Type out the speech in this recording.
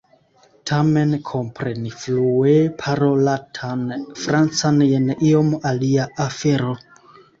Tamen kompreni flue parolatan Francan jen iom alia afero.